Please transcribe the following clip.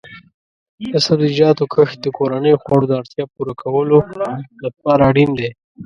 د سبزیجاتو کښت د کورنیو خوړو د اړتیا پوره کولو لپاره اړین دی.